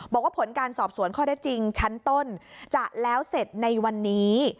บอกว่าผลการสอบสวนข้อได้จริงชั้นต้นจะแล้วเสร็จในวันนี้